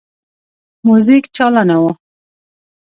موزیک چالانه وو.